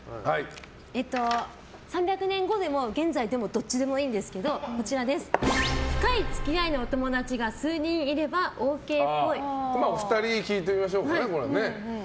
３００年後でも現在でもどっちでもいいんですけど深い付き合いのお友達が数人いればお二人に聞いてみましょうかね。